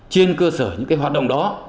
trên cơ sở những cái hoạt động đó